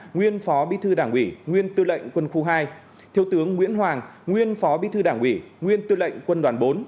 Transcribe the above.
nguyên phó bí thư đảng ủy nguyên tư lệnh quân khu hai thiếu tướng nguyễn hoàng nguyên phó bí thư đảng ủy nguyên tư lệnh quân đoàn bốn